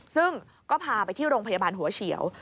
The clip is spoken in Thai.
ซึ่งก็พาไปที่โรงพยาบาลหัวเฉียว